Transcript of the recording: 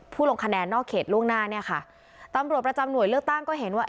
ลงคะแนนนอกเขตล่วงหน้าเนี่ยค่ะตำรวจประจำหน่วยเลือกตั้งก็เห็นว่า